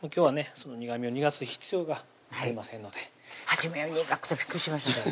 その苦みを逃がす必要がありませんので初めは苦くてびっくりしましたけどね